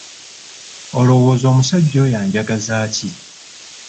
Olowooza omusajja oyo anjagaza ki?